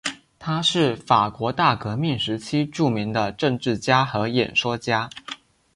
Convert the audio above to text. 他是法国大革命时期著名的政治家和演说家。